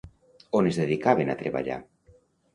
On es dedicaven a treballar?